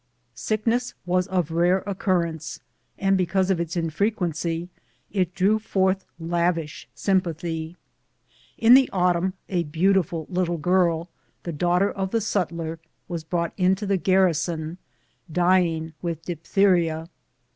Sickness was of rare occurrence, and because of its infrequencj it drew forth lavish sympathy. In the autumn a "beauti ful little girl, the daughter of the sutler, was brought into the garrison dying with diphtheria.